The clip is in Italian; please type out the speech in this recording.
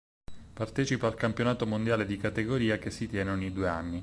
Partecipa al Campionato mondiale di categoria, che si tiene ogni due anni.